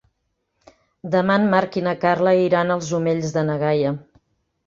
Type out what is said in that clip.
Demà en Marc i na Carla iran als Omells de na Gaia.